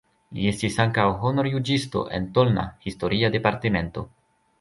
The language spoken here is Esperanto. Li estis ankaŭ honorjuĝisto en Tolna (historia departemento).